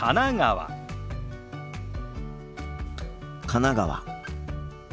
神奈川。